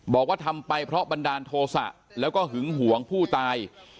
บอกว่าทำไปเพราะบันดาลโทษะแล้วก็หึงหวงผู้ตาย